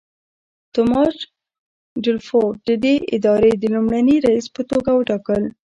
توماس ټیلفورډ ددې ادارې د لومړني رییس په توګه وټاکل.